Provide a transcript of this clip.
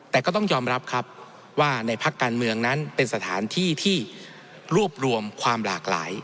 แต่ก็ต้องยอมรับครับว่าในพักการเมืองนั้นเป็นสถานที่ที่รวบรวมความหลากหลาย